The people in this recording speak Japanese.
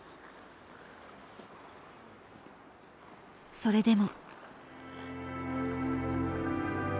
それでも。